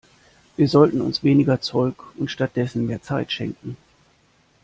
Wir sollten uns weniger Zeug und stattdessen mehr Zeit schenken.